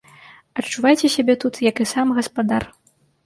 Адчувайце сябе тут, як і сам гаспадар.